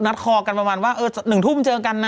นัดขอกันประมาณว่าเออ๑ทุ่มเจอกันน๊ะ